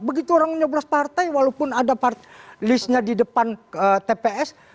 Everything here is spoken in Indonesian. begitu orang nyoblos partai walaupun ada listnya di depan tps